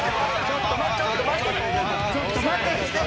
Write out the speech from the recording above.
ちょっと待て！